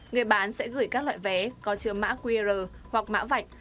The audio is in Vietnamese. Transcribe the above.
người bán sẽ gửi các loại vé có chứa mã qr hoặc mã vạch